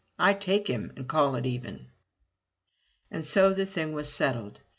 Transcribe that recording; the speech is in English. I take him and call it even." And so the thing was settled.